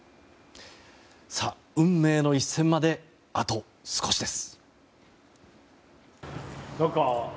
運命の一戦まであと少しです。